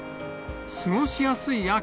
過ごしやすい秋！